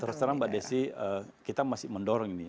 terus terang mbak desi kita masih mendorong ini